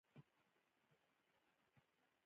خیرات ورکړي.